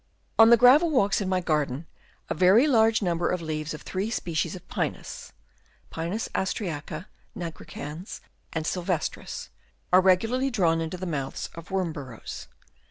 On the gravel walks in my garden a very large number of leaves of three species of Pinus (P. austriaca, nigricans and sylvestris) are regularly drawn into the mouths of worm burrows.